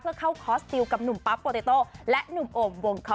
เพื่อเข้าคอร์สติวกับหนุ่มปั๊บโปรเตโต้และหนุ่มโอมวงค็อกเทลค่ะ